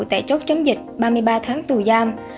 tại chốt chống dịch ba mươi ba tháng tù giam